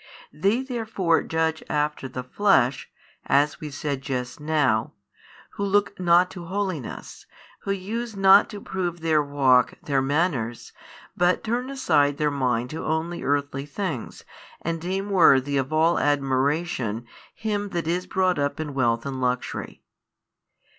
They therefore judge after the flesh, as we said just now, who look not to holiness, who use not to prove their walk, their manners, but turn aside their mind to only earthly things and deem worthy of all admiration him that is brought up in wealth and luxury.